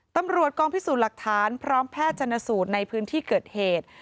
ตำรวจกองพิสูจน์หลักฐานพร้อมแพทย์ชนสูตรในพื้นที่เกิดเหตุ